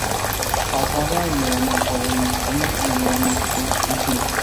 Pasaba el verano boreal en España y el verano austral en Chile.